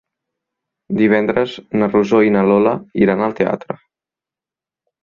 Divendres na Rosó i na Lola iran al teatre.